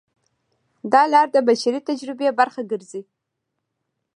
دا لار د بشري تجربې برخه ګرځي.